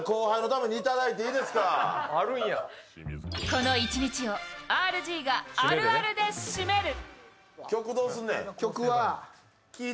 この一日をＲＧがあるあるで締める。